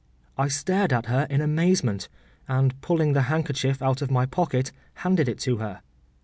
” I stared at her in amazement, and pulling the handkerchief out of my pocket, handed it to her.